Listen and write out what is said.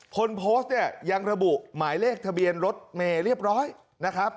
คนโพสต์เนี่ยยังระบุหมายเลขทะเบียนรถเมย์เรียบร้อยนะครับ